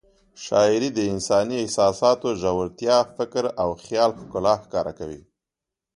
شاعري د انساني احساساتو ژورتیا، فکر او خیال ښکلا ښکاره کوي.